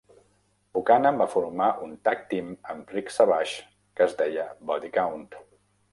Buchanan va formar un "tag team" amb Ric Savage que es deia "Body Count".